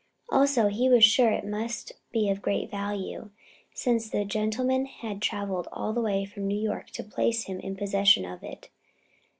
Also he was sure it must be of great value, since the gentleman had travelled all the way from New York to place him in possession of it.